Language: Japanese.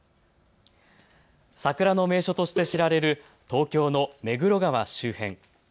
桜の名所として知られる東京の目黒川周辺。